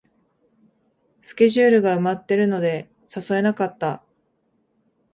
スケジュールが埋まってるので誘えなかった